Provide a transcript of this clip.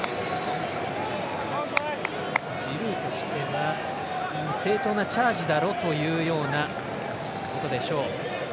ジルーとしては正当なチャージだろうというようなことでしょう。